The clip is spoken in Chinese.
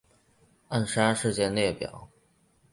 暗杀事件列表